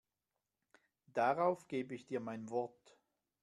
Darauf gebe ich dir mein Wort.